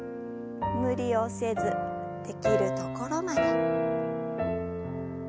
無理をせずできるところまで。